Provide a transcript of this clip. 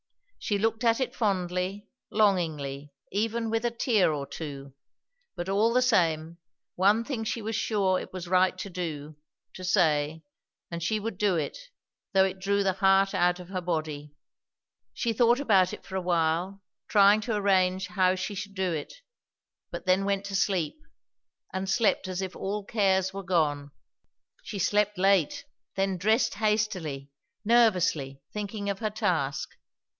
She looked at it fondly, longingly, even with a tear or two; but all the same, one thing she was sure it was right to do, to say; and she would do it, though it drew the heart out of her body. She thought about it for a while, trying to arrange how she should do it; but then went to sleep, and slept as if all cares were gone. She slept late; then dressed hastily, nervously, thinking of her task.